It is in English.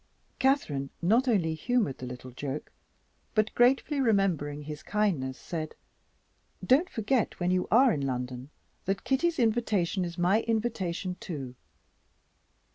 Catherine not only humored the little joke, but, gratefully remembering his kindness, said: "Don't forget, when you are in London, that Kitty's invitation is my invitation, too."